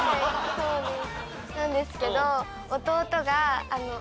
そうです。